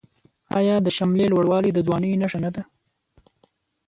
آیا د شملې لوړوالی د ځوانۍ نښه نه ده؟